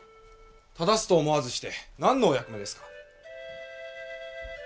糾すと思わずして何のお役目ですか。